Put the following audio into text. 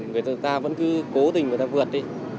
người ta vẫn cứ cố tình người ta vượt đi